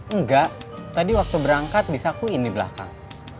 enggak tadi waktu berangkat disakuin di belakang